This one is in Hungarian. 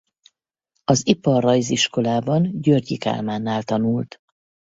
Az Iparrajziskolában Györgyi Kálmánnál tanult.